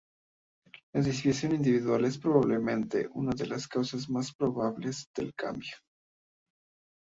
La desviación individual es probablemente una de las causas más probables del cambio.